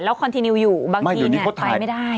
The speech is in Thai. คอนทีนิวอยู่บางทีไปไม่ได้